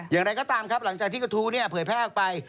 อย่างไรก็ตามครับหลังจากที่กระทู้เนี่ยเผยแพร่ออกไป